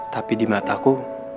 tapi di mataku